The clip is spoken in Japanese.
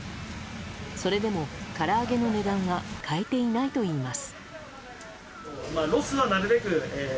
それでも、から揚げの値段は変えていないといいます。